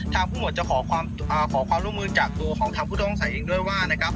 ทางผู้หมดจะขอความอ่าขอความร่วมมือจากตัวของทางผู้ต้องใส่เองด้วยว่านะครับ